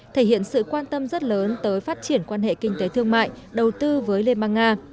thể hiện sự quan tâm rất lớn tới phát triển quan hệ kinh tế thương mại đầu tư với liên bang nga